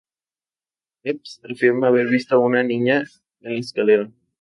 Epps afirma haber visto a una niña en la escalera.